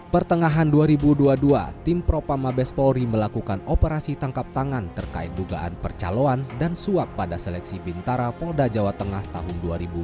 pertengahan dua ribu dua puluh dua tim propa mabes polri melakukan operasi tangkap tangan terkait dugaan percaloan dan suap pada seleksi bintara polda jawa tengah tahun dua ribu dua puluh